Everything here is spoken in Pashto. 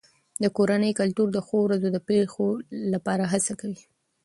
د کورنۍ کلتور د ښو ورځو د پیښو لپاره هڅه کوي.